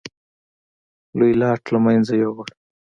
لوی لاټ له منځه یووړ.